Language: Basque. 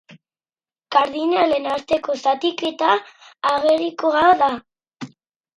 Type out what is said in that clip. Kardinalen arteko zatiketa agerikoa da.